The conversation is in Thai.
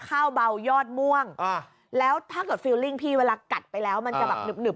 ข้าวเบายอดม่วงอ่ะแล้วถ้าเกิดพี่เวลากัดไปแล้วมันจะแบบหนึบหนึบ